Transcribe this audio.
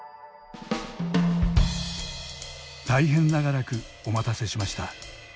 大変長らくお待たせしました。